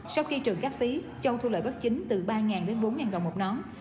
sau khi trừ các phí châu thu lợi bất chính từ ba đến bốn đồng một nón